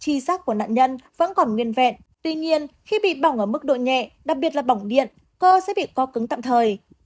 chi xác của nạn nhân vẫn còn nguyên vẹn tuy nhiên khi bị bỏng ở mức độ nhẹ đặc biệt là bỏng điện cơ sẽ bị co cứng tạm thời